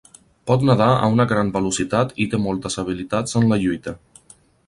Pot nedar a una gran velocitat i té moltes habilitats en la lluita.